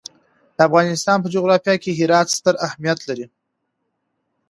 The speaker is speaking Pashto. د افغانستان په جغرافیه کې هرات ستر اهمیت لري.